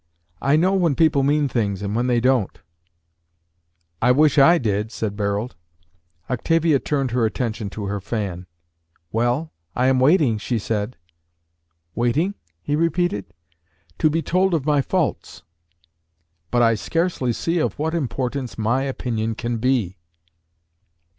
I know when people mean things, and when they don't." "I wish I did," said Barold. Octavia turned her attention to her fan. "Well, I am waiting," she said. "Waiting?" he repeated. "To be told of my faults." "But I scarcely see of what importance my opinion can be."